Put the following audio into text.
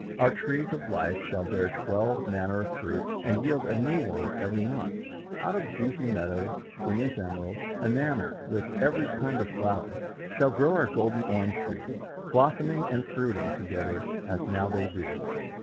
Our trees of life shall bear twelve manner of fruit, and yield a new one every month. Out of juicy meadows green as emerald, enamelled with every kind of flower, shall grow our golden orange trees, blossoming and fruiting together as now they do.